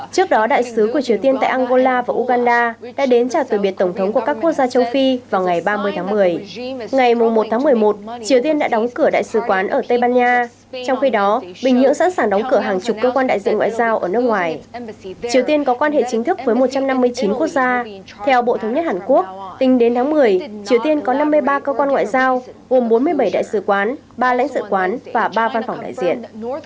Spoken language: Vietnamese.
trước đó đại sứ của triều tiên tại angola và uganda đã đến trả từ biệt tổng thống của các quốc gia châu phi vào ngày ba mươi tháng một mươi ngày một tháng một mươi một triều tiên đã đóng cửa đại sứ quán ở tây ban nha trong khi đó bình nhưỡng sẵn sàng đóng cửa hàng chục cơ quan đại diện ngoại giao ở nước ngoài triều tiên có quan hệ chính thức với một trăm năm mươi chín quốc gia theo bộ thống nhất hàn quốc tính đến tháng một mươi triều tiên có năm mươi ba cơ quan ngoại giao gồm bốn mươi bảy đại sứ quán ba lãnh sự quán và ba văn phòng đại diện